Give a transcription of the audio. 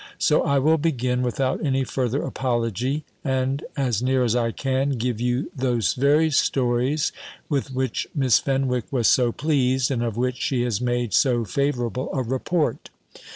So I will begin without any further apology; and, as near as I can, give you those very stories with which Miss Fenwick was so pleased, and of which she has made so favourable a report.